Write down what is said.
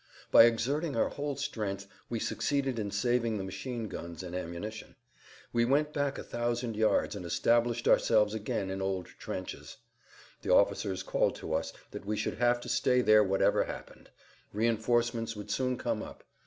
By exerting our whole strength we succeeded in saving the machine guns and ammunition. We went back a thousand yards and established ourselves again in old trenches. The officers called to us that we should have to stay there whatever happened; reinforcements would soon come up.